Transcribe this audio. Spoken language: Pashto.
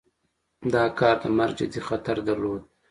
دا کار د مرګ جدي خطر درلود.